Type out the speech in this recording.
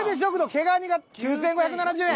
毛蟹が９，５７０円。